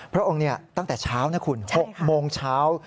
พระองค์ตั้งแต่เช้านะคุณ๖โมงเช้า